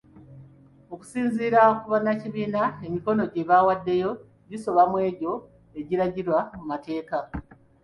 Okusinziira ku bannakibiina emikono gye bawaddeyo gisoba mu egyo egiragira mu mateeka